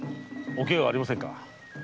おケガはありませんか？